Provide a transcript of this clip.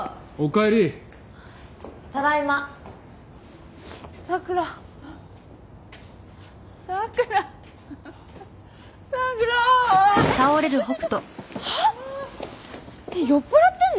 えっ酔っ払ってんの？